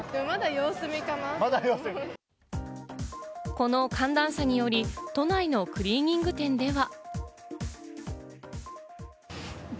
この寒暖差により、都内のクリーニング店では。